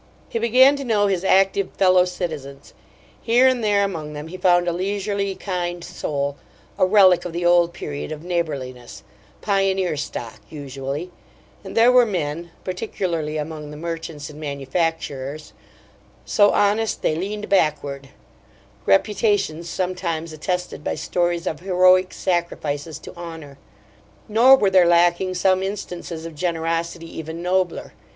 He began to know his active fellow citizens. Here and there among them he found a leisurely, kind soul, a relic of the old period of neighborliness, "pioneer stock," usually; and there were men particularly among the merchants and manufacturers "so honest they leaned backward"; reputations sometimes attested by stories of heroic sacrifices to honor; nor were there lacking some instances of generosity even nobler.